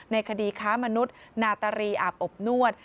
ในคดีค้ามนุษย์นาตรีอาบอบนวด